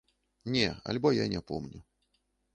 Не, альбо я не помню.